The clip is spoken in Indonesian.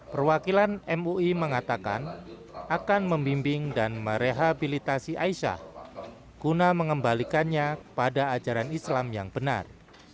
perwakilan mui mengatakan akan membimbing dan merehabilitasi aisyah guna mengembalikannya pada ajaran islam yang benar